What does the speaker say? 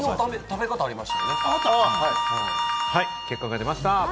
結果が出ました。